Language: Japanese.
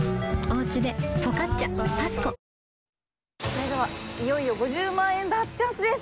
それではいよいよ５０万円ダーツチャンスです。